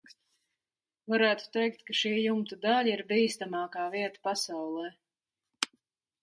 Varētu teikt, ka šī jumta daļa ir bīstamākā vieta pasaulē.